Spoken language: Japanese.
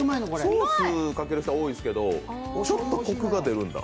ソースかける人は多いですけどちょっとコクが出るんだ。